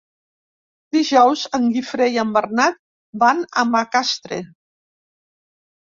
Dijous en Guifré i en Bernat van a Macastre.